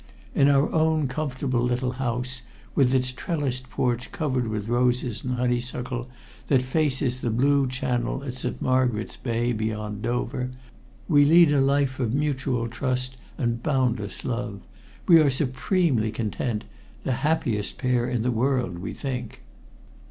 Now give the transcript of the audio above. In our own comfortable little house, with its trellised porch covered with roses and honeysuckle, that faces the blue Channel at St. Margaret's Bay, beyond Dover, we lead a life of mutual trust and boundless love. We are supremely content the happiest pair in all the world, we think.